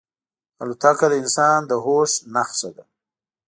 الوتکه د انسان د هوش نښه ده.